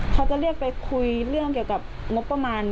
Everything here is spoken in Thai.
เขาจะเรียกไปคุยเรื่องเกี่ยวกับงบประมาณ